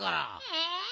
え！